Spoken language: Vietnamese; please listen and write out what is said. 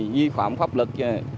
di phạm pháp lực